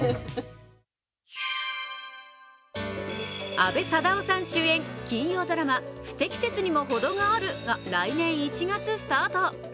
阿部サダヲさん主演、金曜ドラマ「不適切にもほどがある」が来年１月スタート。